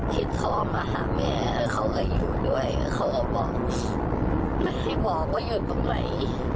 ทิศธรมาหาแม่เขาก็อยู่ด้วยเขาก็บอกไม่ได้บอกว่าอยู่ตรงไหน